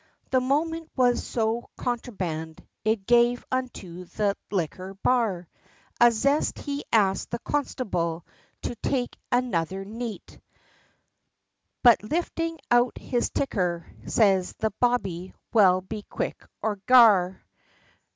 The moment was so contraband, it gave unto that liquor bar, A zest, he asked the constable to take another neat, But lifting out his ticker, says the bobbie, "Well be quick or 'gar!